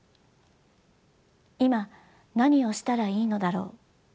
今何をしたらいいのだろう？